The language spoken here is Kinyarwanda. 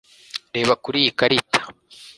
reba kuri iyi karita